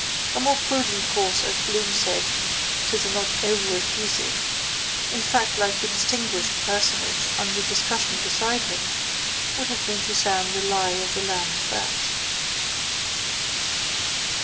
A more prudent course, as Bloom said to the not over effusive, in fact like the distinguished personage under discussion beside him, would have been to sound the lie of the land first.